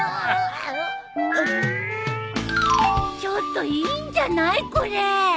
ちょっといいんじゃないこれ！